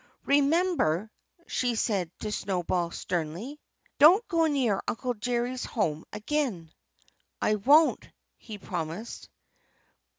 "Remember!" she said to Snowball sternly. "Don't go near Uncle Jerry's home again!" "I won't!" he promised.